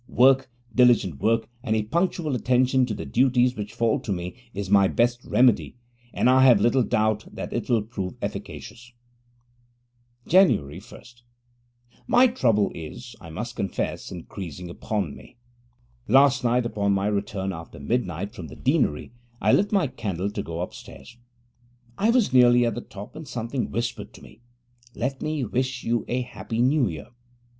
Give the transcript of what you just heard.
Work, diligent work, and a punctual attention to the duties which fall to me is my best remedy, and I have little doubt that it will prove efficacious. Jan. 1 My trouble is, I must confess it, increasing upon me. Last night, upon my return after midnight from the Deanery, I lit my candle to go upstairs. I was nearly at the top when something whispered to me, 'Let me wish you a happy New Year.'